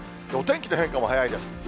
お天気の変化も早いです。